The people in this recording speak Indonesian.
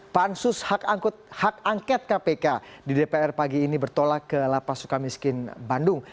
pansus hak angket kpk di dpr pagi ini bertolak ke lapas suka miskin bandung